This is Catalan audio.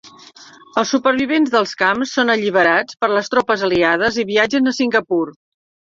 Els supervivents dels camps són alliberats per les tropes aliades i viatgen a Singapur.